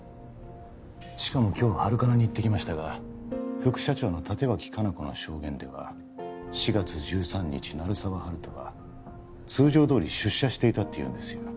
しかも今日ハルカナに行ってきましたが副社長の立脇香菜子の証言では４月１３日鳴沢温人は通常どおり出社していたって言うんですよ